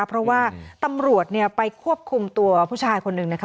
เพราะว่าตำรวจไปควบคุมตัวผู้ชายคนหนึ่งนะคะ